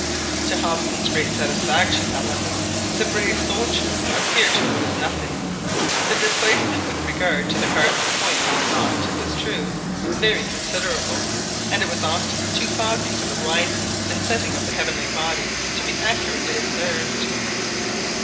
To Hobson's great satisfaction, however, the brave soldiers appeared to notice nothing, the displacement with regard to the cardinal points was not, it was true, very considerable, and it was often too foggy for the rising and setting of the heavenly bodies to be accurately observed.